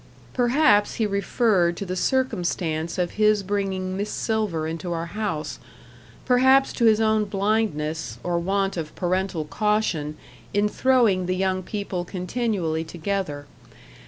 Perhaps he referred to the circumstance of his bringing Miss Silver into our house; perhaps to his own blindness, or want of parental caution, in throwing the young people continually together.